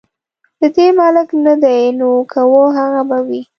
د دې ملک نه دي نو که وه هغه به وي.